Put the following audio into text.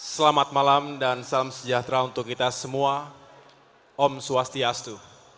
selamat malam dan salam sejahtera untuk kita semua om swastiastu